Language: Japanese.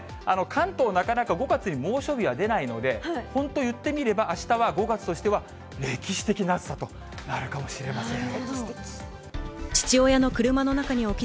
関東、なかなか５月に猛暑日は出ないので、本当、言ってみれば、あしたは５月としては歴史的な暑さとなるかもしれません。